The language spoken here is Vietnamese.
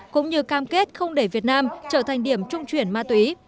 cũng như cam kết không để việt nam trở thành điểm trung chuyển ma túy